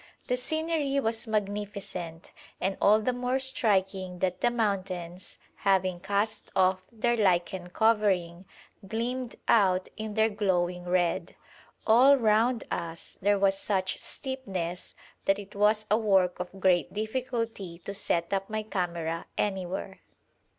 The scenery was magnificent, and all the more striking that the mountains, having cast off their lichen covering, gleamed out in their glowing red. All round us there was such steepness that it was a work of great difficulty to set up my camera anywhere.